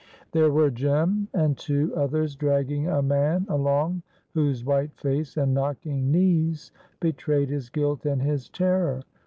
There were Jem and two others dragging a man along whose white face and knocking knees betrayed his guilt and his terror.